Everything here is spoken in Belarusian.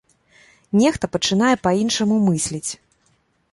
Нехта пачынае па-іншаму мысліць.